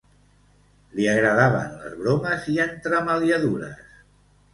Li agradaven les bromes i entremaliadures.